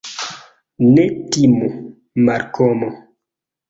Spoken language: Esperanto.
Ne timu, Malkomo.